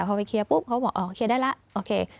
พอไปเคลียร์ปุ๊บเขาบอกอ๋อเคลียร์ได้แล้วโอเค